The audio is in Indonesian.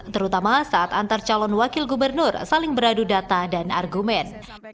terutama saat antar calon wakil gubernur saling beradu data dan argumen